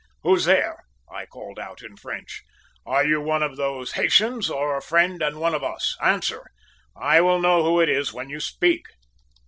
"`Who's there?' I called out in French. `Are you one of those Haytians, or a friend and one of us? Answer! I will know who it is when you speak!'